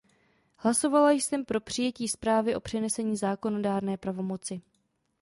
Hlasovala jsem pro přijetí zprávy o přenesení zákonodárné pravomoci.